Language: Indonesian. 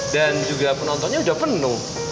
dan juga penontonnya sudah penuh